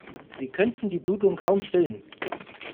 Sie könnten die Blutung kaum stillen.